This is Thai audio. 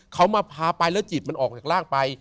เขามาพาไปแล้วจิตมันออกจากร่างไป